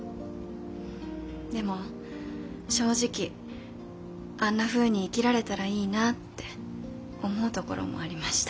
でも正直あんなふうに生きられたらいいなって思うところもありました。